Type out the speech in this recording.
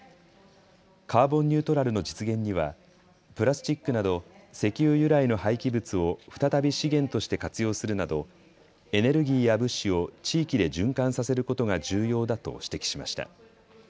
カーボンニュートラルの実現にはプラスチックなど石油由来の廃棄物を再び資源として活用するなどエネルギーや物質を地域で循環させることが重要だと指摘しました。